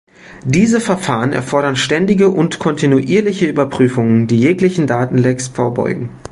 Diese Verfahren erfordern ständige und kontinuierliche Überprüfungen, die jeglichen Datenlecks vorbeugen.